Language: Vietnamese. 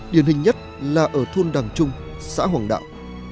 điển hình nhất là ở thôn đẳng trung xã hoàng đạo